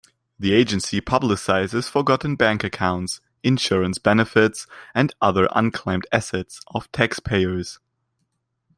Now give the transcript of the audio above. The agency publicizes forgotten bank accounts, insurance benefits and other unclaimed assets of taxpayers.